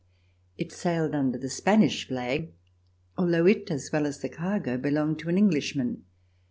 It sailed under the Spanish flag, although it as well as the cargo belonged to an Englishman.